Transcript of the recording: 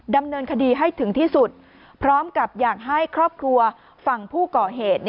ดำเนินคดีให้ถึงที่สุดพร้อมกับอยากให้ครอบครัวฝั่งผู้ก่อเหตุ